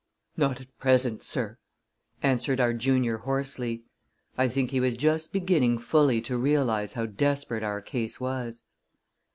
"Not at present, sir," answered our junior hoarsely. I think he was just beginning fully to realize how desperate our case was.